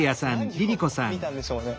何を見たんでしょうね。